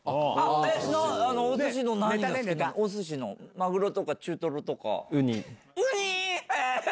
マグロとか中トロとか。